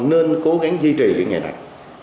nên cố gắng duy trì những nghề này